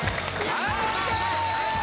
はいＯＫ！